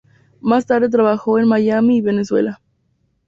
Más tarde trabajó en Miami y Venezuela.